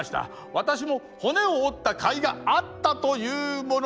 私も骨を折ったかいがあったというものです」。